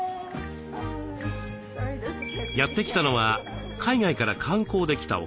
やって来たのは海外から観光で来たお客様。